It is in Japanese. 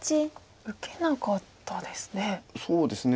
受けなかったですね。